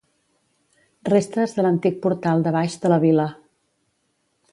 Restes de l'antic portal de Baix de la vila.